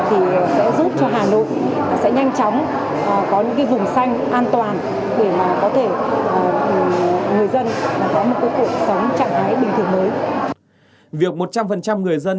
thì sẽ giúp cho hà nội sẽ nhanh chóng có những vùng xanh an toàn để mà có thể người dân có một cuộc sống trạng thái bình thường mới